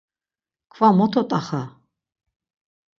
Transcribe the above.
Kva moto t̆axa!